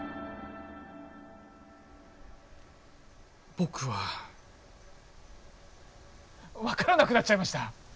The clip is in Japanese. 僕は分からなくなっちゃいました！